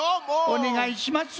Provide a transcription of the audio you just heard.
おねがいします。